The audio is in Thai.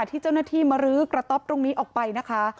ที่เจ้าหน้าที่มารื้อกระต๊อบตรงนี้ออกไปนะคะ